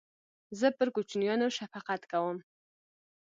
زه پر کوچنیانو شفقت کوم.